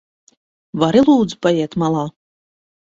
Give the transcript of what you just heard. Vari lūdzu paiet malā?